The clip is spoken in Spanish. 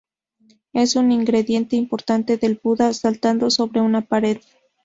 Es un ingrediente importante del Buda saltando sobre una pared.